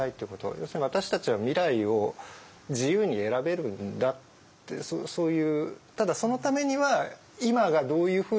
要するに私たちは未来を自由に選べるんだってそういう。